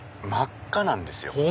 真っ赤なんですよ。